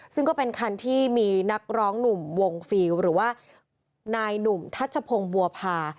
ซึ่งก็เป็นคันที่มีนักร้องหนุ่มวงฟิลหรือว่านายหนุ่มทัชพงศ์บัวพา